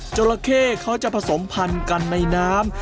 จราเข้เขาจะผสมพันธุ์กันในน้ำ